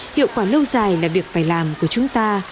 hiệu quả lâu dài là việc phải làm của chúng ta